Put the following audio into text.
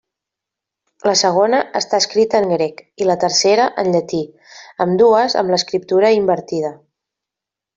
La segona està escrita en grec, i la tercera en llatí, ambdues amb l'escriptura invertida.